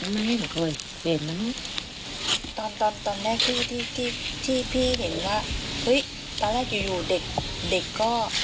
ไม่เห็นมากตอนตอนตอนแรกที่ที่ที่พี่เห็นว่าเฮ้ยตอนแรกอยู่อยู่เด็กเด็กก็